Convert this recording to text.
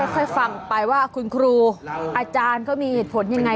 ค่อยฟังไปว่าคุณครูอาจารย์เขามีเหตุผลยังไง